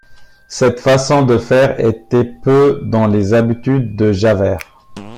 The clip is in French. Cette façon de faire était peu dans les habitudes de Javert.